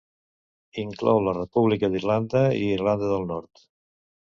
Inclou la República d'Irlanda i Irlanda del Nord.